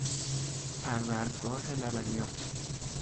پروردگاه لبنیات